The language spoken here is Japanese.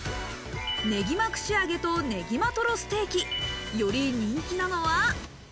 ねぎま串揚げと、ねぎまトロステーキ、より人気なのは。